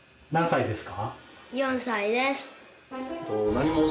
４歳です。